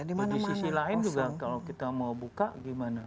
ada yang masih lain juga kalau kita mau buka gimana